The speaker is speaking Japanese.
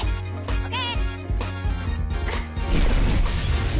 ＯＫ。